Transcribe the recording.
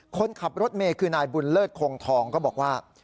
คนขับรถเมย์คือนายบุญเลิศคงทองก็บอกว่า